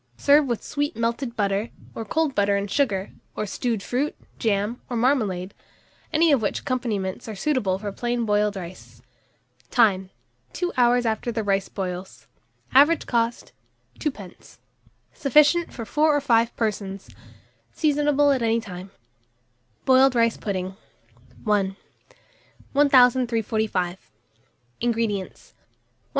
Serve with sweet melted butter, or cold butter and sugar, or stewed fruit, jam, or marmalade; any of which accompaniments are suitable for plain boiled rice. Time. 2 hours after the water boils. Average cost, 2d. Sufficient for 4 or 5 persons. Seasonable at any time. BOILED RICE PUDDING. I. 1345. INGREDIENTS. 1/4 lb.